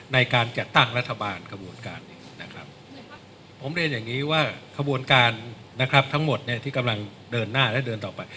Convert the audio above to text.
ในการจัดตั้งรัฐบาลกระบวนการนี้นะครับผมเรียนอย่างนี้ว่าขบวนการนะครับทั้งหมดเนี่ยที่กำลังเดินหน้าและเดินต่อไป